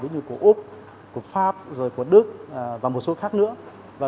như của úc pháp đức và một số khác nữa